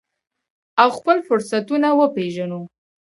او خپل فرصتونه وپیژنو.